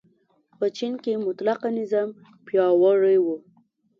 په چین کې مطلقه نظام پیاوړی و.